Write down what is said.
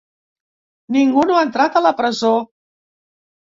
Ningú no ha entrat a la presó.